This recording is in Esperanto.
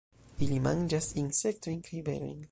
Ili manĝas insektojn kaj berojn.